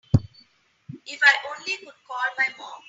If I only could call my mom.